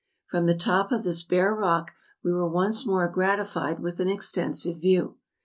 From the top of this bare rock we were once more gratified with an extensive view.